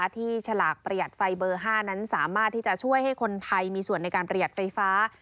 ฉลากประหยัดไฟเบอร์๕นั้นสามารถที่จะช่วยให้คนไทยมีส่วนในการประหยัดไฟฟ้า